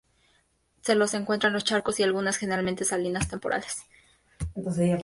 Se los encuentra en charcos y lagunas, generalmente salinas, temporales.